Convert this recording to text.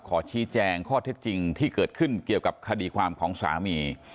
ขอชี้แจงข้อเท็จจริงที่เกิดขึ้นเกี่ยวกับคดีความของสามี